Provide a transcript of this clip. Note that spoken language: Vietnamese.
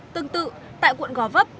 tương tự tại quận gò vấp